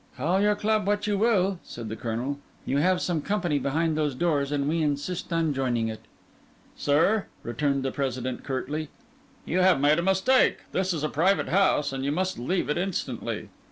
"Call your Club what you will," said the Colonel, "you have some company behind these doors, and we insist on joining it." "Sir," returned the President curtly, "you have made a mistake. This is a private house, and you must leave it instantly."